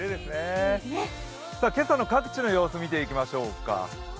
今朝の各地の様子を見ていきましょうか。